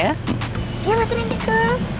iya mas randy ke